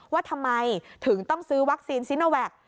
ว่าทำไมถึงต้องซื้อวัคซีนซิโนแวค